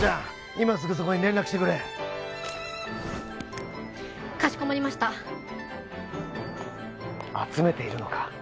今すぐそこに連絡してくれかしこまりました集めているのか？